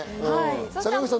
坂口さん